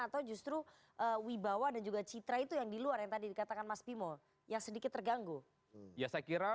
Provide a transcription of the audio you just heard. atau justru wibawa dan juga citra itu yang di luar yang tadi dikatakan mas bimo yang sedikit terganggu ya saya kira